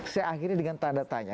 saya akhiri dengan tanda tanya